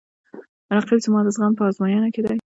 رقیب زما د زغم په ازموینه کې دی